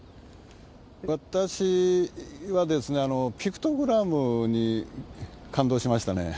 私はピクトグラムに感動しましたね。